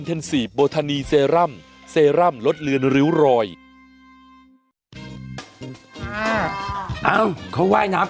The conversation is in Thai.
เอ้าเขาไหว้น้ำ